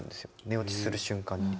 寝落ちする瞬間に。